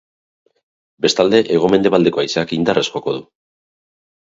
Bestalde, hego-mendebaldeko haizeak indarrez joko du.